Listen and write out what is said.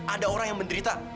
ada orang yang menderita